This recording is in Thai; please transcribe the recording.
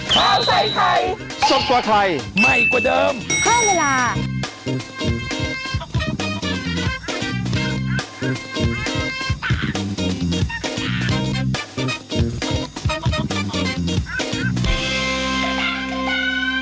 กระแปลว่ากระแปลว่า